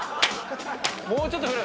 もうちょっと振る？